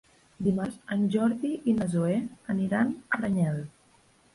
Dimarts en Jordi i na Zoè aniran a Aranyel.